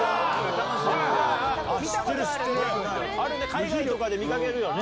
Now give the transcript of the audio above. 海外とかで見かけるよね。